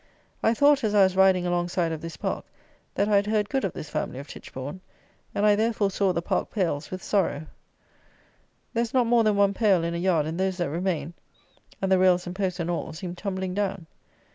I thought, as I was riding alongside of this park, that I had heard good of this family of Titchbourne, and, I therefore saw the park pales with sorrow. There is not more than one pale in a yard, and those that remain, and the rails and posts and all, seem tumbling down.